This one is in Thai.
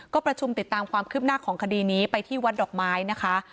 ก็ประชุมติดตามความคืบหน้าของคดีนี้ไปที่วัดดอกไม้นะคะ